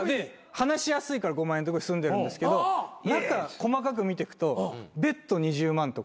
話しやすいから５万円のとこに住んでるんですけど中細かく見てくとベッド２０万とか。